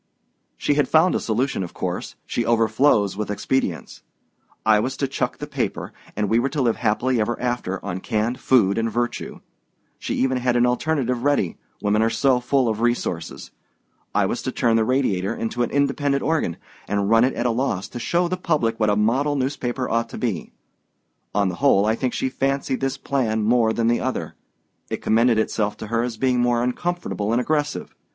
"She had found a solution, of course she overflows with expedients. I was to chuck the paper, and we were to live happily ever afterward on canned food and virtue. She even had an alternative ready women are so full of resources! I was to turn the Radiator into an independent organ, and run it at a loss to show the public what a model newspaper ought to be. On the whole, I think she fancied this plan more than the other it commended itself to her as being more uncomfortable and aggressive.